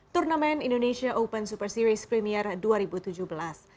turnamen indonesia open super series premier dua ribu tujuh belas